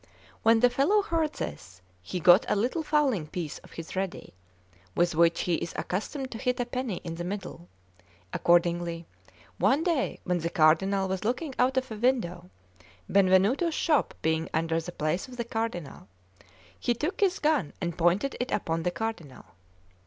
When the fellow heard this, he got a little fowling piece of his ready, with which he is accustomed to hit a penny in the middle; accordingly, one day when the Cardinal was looking out of a window, Benvenuto's shop being under the palace of the Cardinal, he took his gun and pointed it upon the Cardinal.